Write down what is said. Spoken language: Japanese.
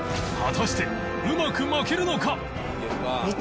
果たしてうまく巻けるのか！？